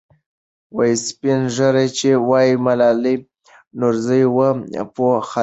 سپین ږیري چې وایي ملالۍ نورزۍ وه، پوه خلک دي.